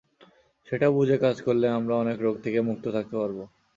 সেটা বুঝে কাজ করলে আমরা অনেক রোগ থেকে মুক্ত থাকতে পারব।